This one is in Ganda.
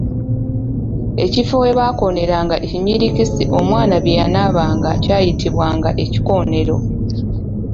Ekifo we baakooneranga ebinyirikisi omwana bye yanaabanga kyayitibwanga ekkoonero.